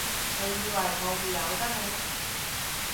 你以為我會由得你？